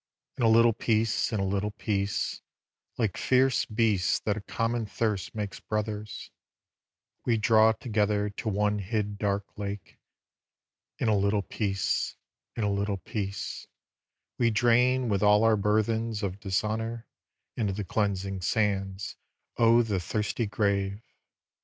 In a little peace, in a little peace, Like fierce beasts that a common thirst makes brothers, We draw together to one hid dark lake; In a little peace, in a little peace, We drain with all our burthens of dishonour Into the cleansing sands o' the thirsty grave.